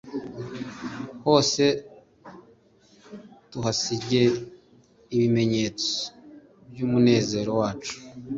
hose tuhasige ibimenyetso by'umunezero wacu